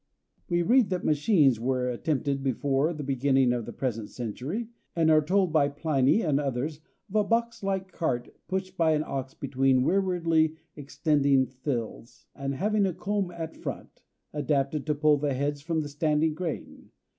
We read that machines were attempted before the beginning of the present century and are told by Pliny and others of a box like cart pushed by an ox between rearwardly extending thills, and having a comb at front, adapted to pull the heads from the standing grain.